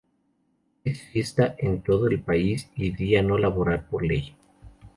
Es fiesta en todo el país y día no laboral por ley.